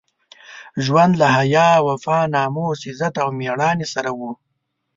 ژوند له حیا، وفا، ناموس، عزت او مېړانې سره وو.